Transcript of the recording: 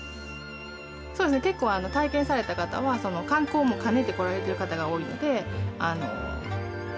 そうですね結構体験された方は観光も兼ねて来られてる方が多いので楽しかったって。